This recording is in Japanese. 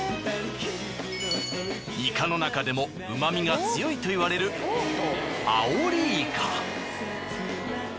イカのなかでも旨みが強いと言われるアオリイカ。